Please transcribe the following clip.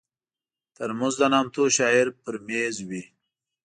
ترموز د نامتو شاعر پر مېز وي.